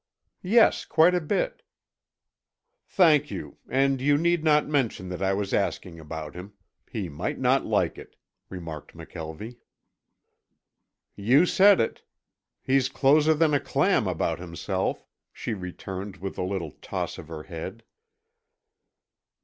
"Yes, quite a bit." "Thank you, and you need not mention that I was asking about him. He might not like it," remarked McKelvie. "You said it. He's closer than a clam about himself," she returned with a little toss of her head.